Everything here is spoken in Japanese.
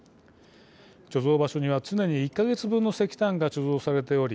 貯蔵場所には常に１か月分の石炭が貯蔵されており